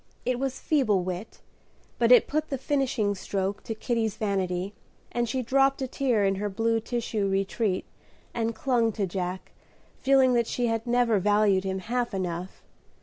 It was feeble wit, but it put the finishing stroke to Kitty's vanity, and she dropped a tear in her blue tissue retreat, and clung to Jack, feeling that she had never valued him half enough.